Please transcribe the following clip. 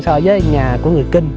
so với nhà của người kinh